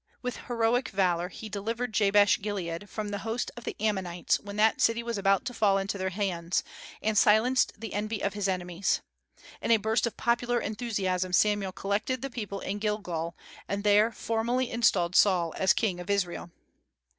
With heroic valor he delivered Jabesh Gilead from the hosts of the Ammonites when that city was about to fall into their hands, and silenced the envy of his enemies. In a burst of popular enthusiasm Samuel collected the people in Gilgal, and there formally installed Saul as King of Israel.